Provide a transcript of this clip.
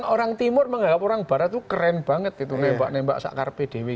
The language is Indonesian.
orang timur menganggap orang barat itu keren banget itu nembak timur